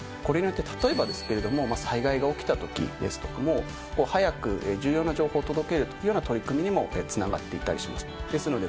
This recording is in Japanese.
これによって例えばですけれども災害が起きたときですとかも早く重要な情報を届けるというような取り組みにもつながっていたりします。